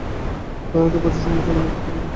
কারন এতে প্রচুর সময়, জনবল এবং অর্থের প্রয়োজন হয়।